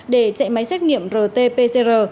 để chạy máy xét nghiệm rt pcr